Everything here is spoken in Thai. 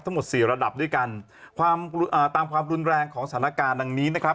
ทั้งหมดสี่ระดับด้วยกันความอ่าตามความรุนแรงของสถานการณ์ดังนี้นะครับ